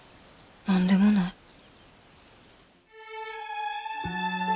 何でもない。